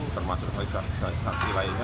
termasuk saksi lainnya